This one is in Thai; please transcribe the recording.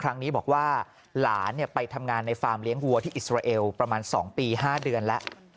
ครั้งนี้บอกว่าหลานไปทำงานในฟาร์มเลี้ยงวัวที่อิสราเอลประมาณ๒ปี๕เดือนแล้ว